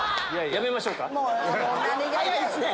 やめましょう。